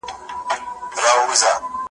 ما یې هم پخوا لیدلي دي خوبونه `